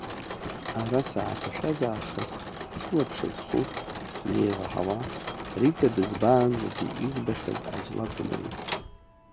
Ара сааҭашәаз аахыс сылаԥш зху, сзеилаҳауа, Риҵа дызбаанӡагьы избахьаз аӡә лакәын ари.